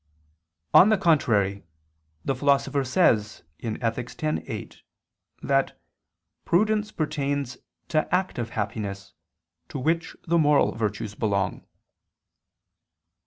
On the contrary, The Philosopher says (Ethic. x, 8) that prudence pertains to active happiness, to which the moral virtues belong.